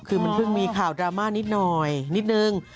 คือมันเพิ่งมีข่าวดราม่านิดหน่อยนิดนึง